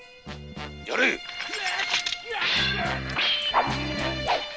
やれっ！